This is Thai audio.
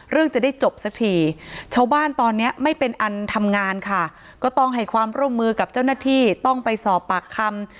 จะได้จบสักทีชาวบ้านตอนนี้ไม่เป็นอันทำงานค่ะก็ต้องให้ความร่วมมือกับเจ้าหน้าที่ต้องไปสอบปากคำ